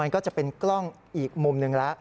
มันก็จะเป็นกล้องอีกมุมหนึ่งละ